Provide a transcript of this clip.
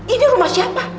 ini rumah siapa